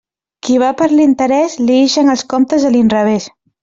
Qui va per l'interés, li ixen els comptes a l'inrevés.